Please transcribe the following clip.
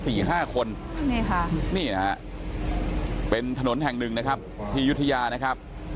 คนนี่ค่ะนี่นะฮะเป็นถนนแห่งหนึ่งนะครับที่ยุธยานะครับ